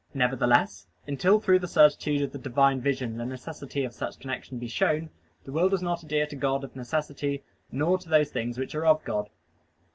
Nevertheless, until through the certitude of the Divine Vision the necessity of such connection be shown, the will does not adhere to God of necessity, nor to those things which are of God.